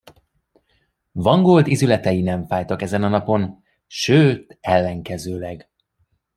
Vangold ízületei nem fájtak ezen a napon, sőt ellenkezőleg.